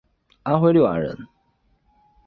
安徽六安人。